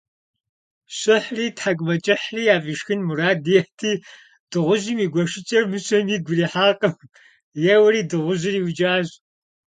Щыхьри, тхьэкӏумэкӏыхьри яфӏишхын мурад иӏэти, дыгъужьым и гуэшыкӏэр мыщэм игу ирихьакъым: еуэри дыгъужьыр иукӏащ.